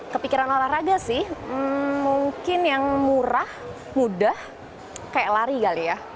kepikiran olahraga sih mungkin yang murah mudah kayak lari kali ya